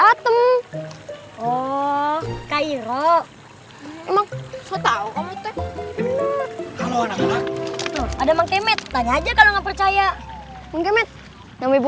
atem oh kayu emang kalau anak anak ada menggemet tanya aja kalau nggak percaya menggemet namanya